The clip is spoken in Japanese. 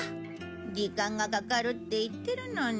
時間がかかるって言ってるのに。